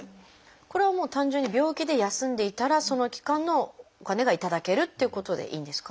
これはもう単純に病気で休んでいたらその期間のお金が頂けるっていうことでいいんですか？